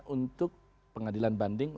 untuk pengadilan banding